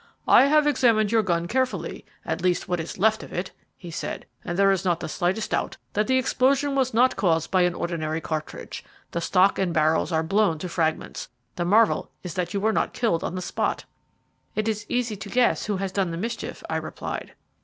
"I have examined your gun carefully at least, what was left of it," he said, "and there is not the slightest doubt that the explosion was not caused by an ordinary cartridge. The stock and barrels are blown to fragments. The marvel is that you were not killed on the spot." "It is easy to guess who has done the mischief," I replied.